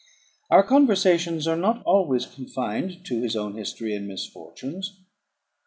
Our conversations are not always confined to his own history and misfortunes.